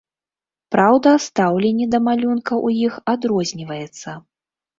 Праўда, стаўленне да малюнка ў іх адрозніваецца.